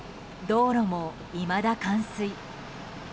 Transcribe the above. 道路もいまだ冠水。